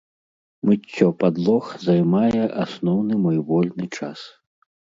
Мыццё падлог займае асноўны мой вольны час.